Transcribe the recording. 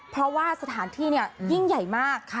เพราะว่าสถานที่ยิ่งใหญ่มาก